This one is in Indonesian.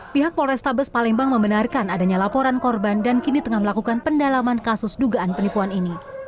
pihak polrestabes palembang membenarkan adanya laporan korban dan kini tengah melakukan pendalaman kasus dugaan penipuan ini